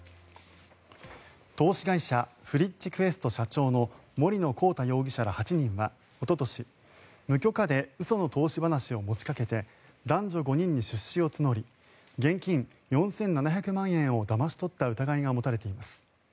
投資会社フリッチクエスト社長の森野広太容疑者ら８人はおととし無許可で嘘の投資話を持ちかけて男女５人に出資を募り現金４７００万円をだまし取った疑いが持たれています。